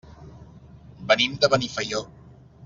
Venim de Benifaió.